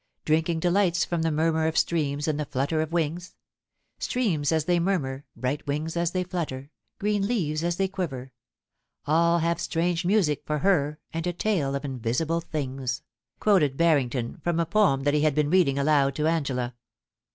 Drinking delights from the murmur of streams and the flutter of wings ; Streams as they murmur, bright wings as they flutter, green leaves as they quiver: All have strange music for her and a tale of invisible things ;"* quoted Barrington, from a poem that he had been readings aloud to Angela.